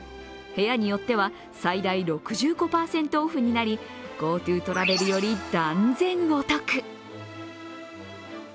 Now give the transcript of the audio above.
部屋によっては最大６５％オフになり、ＧｏＴｏトラベルより断然お得。